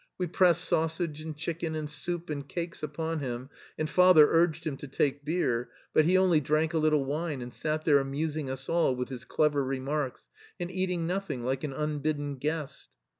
We pressed sausage and chicken and soup and cakes upon him, and father urged him to take beer, but he only drank a little wine and sat there amusing us all with his clever remarks, and eating nothing, like an unbidden guest.